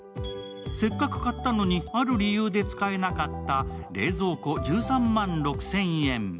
せっかく買ったのに、ある理由で使えなかった冷蔵庫１３万６０００円。